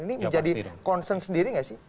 ini menjadi concern sendiri nggak sih